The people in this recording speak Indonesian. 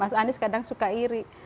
mas anies kadang suka iri